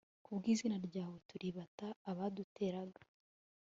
ku bw'izina ryawe turibata abaduteraga